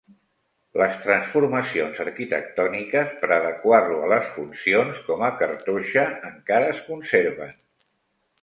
Les transformacions arquitectòniques per adequar-lo a les funcions com a cartoixa encara es conserven.